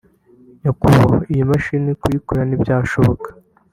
“nyakubahwa iyi mashini kuyikora ntibyashoboka